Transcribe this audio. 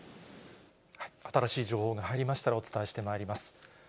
新しい情報が入りましたら、お伝えしてまいります。